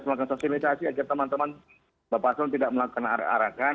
terima kasih agar teman teman bapak paslon tidak melakukan arah arakan